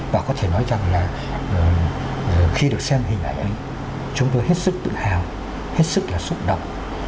và có thể nói rằng là khi được xem hình ảnh ấy chúng tôi hết sức tự hào hết sức là xúc động